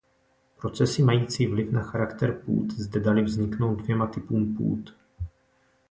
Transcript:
Procesy mající vliv na charakter půd zde daly vzniknout dvěma typům půd.